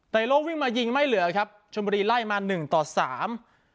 ในโลกวิ่งมายิงไม่เหลือครับชนบุรีไล่มาหนึ่งต่อสาม